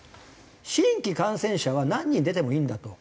新規感染者は何人出てもいいんだと。